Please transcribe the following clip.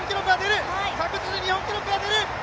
確実に日本記録が出る！